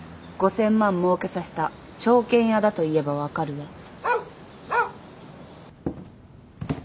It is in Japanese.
５，０００万もうけさせた証券屋だと言えば分かるわ。